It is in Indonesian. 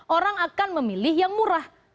orang akan memilih yang murah